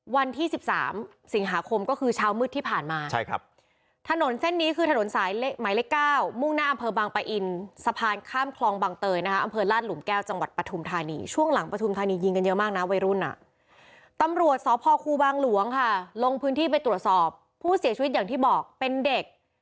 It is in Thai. วันที่๑๓สิงหาคมก็คือเช้ามืดที่ผ่านมาใช่ครับถนนเส้นนี้คือถนนสายหมายเลข๙มุ่งหน้าอำเภอบางปะอินสะพานข้ามคลองบางเตยนะคะอำเภอลาดหลุมแก้วจังหวัดปฐุมธานีช่วงหลังปฐุมธานียิงกันเยอะมากนะวัยรุ่นอ่ะตำรวจสพครูบางหลวงค่ะลงพื้นที่ไปตรวจสอบผู้เสียชีวิตอย่างที่บอกเป็นเด็ก